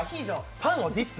パンをディップ。